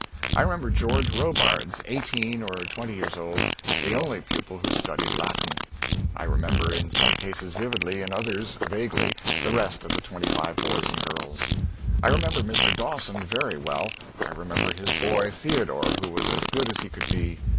I remember George Robards, eighteen or twenty years old, the only pupil who studied Latin. I remember in some cases vividly, in others vaguely the rest of the twenty five boys and girls. I remember Mr. Dawson very well. I remember his boy, Theodore, who was as good as he could be.